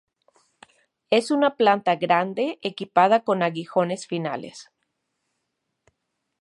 Es una planta grande equipada con aguijones finales.